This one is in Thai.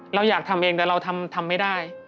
เราอยากทำเองแต่เราทำไม่ได้